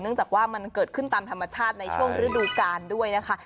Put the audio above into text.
จากว่ามันเกิดขึ้นตามธรรมชาติในช่วงฤดูกาลด้วยนะคะ